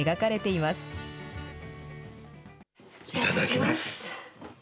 いただきます。